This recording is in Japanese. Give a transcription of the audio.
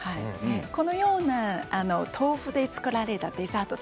このような豆腐で作られたデザート